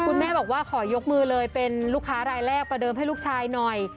คุณแม่บอกว่าขอยกมือเลยเป็นลูกค้ารายแรกประเดิมให้ลูกชายหน่อย